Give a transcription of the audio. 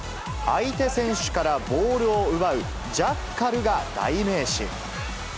相手選手からボールを奪う、ジャッカルが代名詞。